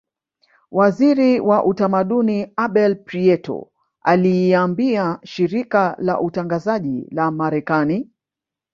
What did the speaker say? Waziri wa utamaduni Abel Prieto aliiambia shirika la utangazaji la marekani